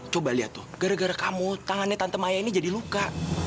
coba lihat tuh gara gara kamu tangannya tante maya ini jadi luka